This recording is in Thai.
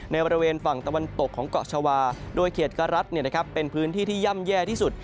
บริเวณฝั่งตะวันตกของเกาะชาวาโดยเขตกะรัฐเป็นพื้นที่ที่ย่ำแย่ที่สุด